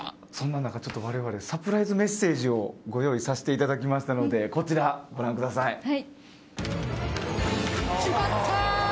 そんな中われわれサプライズメッセージをご用意させていただきましたのでこちら、ご覧ください。